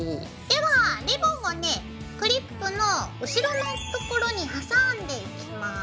ではリボンをねクリップの後ろのところに挟んでいきます。